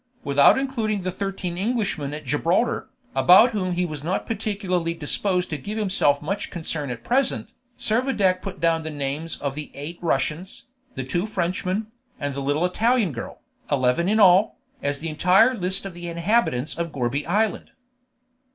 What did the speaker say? Without including the thirteen Englishmen at Gibraltar, about whom he was not particularly disposed to give himself much concern at present, Servadac put down the names of the eight Russians, the two Frenchman, and the little Italian girl, eleven in all, as the entire list of the inhabitants of Gourbi Island.